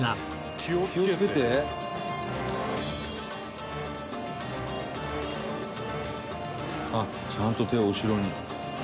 「気を付けて」「気を付けて」「あっちゃんと手を後ろに」